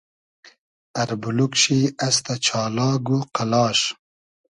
اربولوگ شی استۂ چالاگ و قئلاش